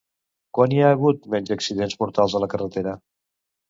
Quan hi ha hagut menys accidents mortals a la carretera?